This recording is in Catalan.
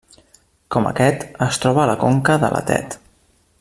Com aquest, es troba a la conca de la Tet.